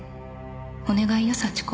「お願いよ幸子。